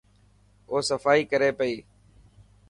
او صفائي ڪري پئي.